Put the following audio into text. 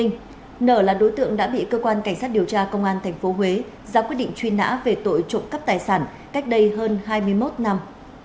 nở là đối tượng đã bị cơ quan cảnh sát điều tra công an tp huế ra quyết định truy nã về tội trộm cắp tài sản cách đây hơn hai mươi một năm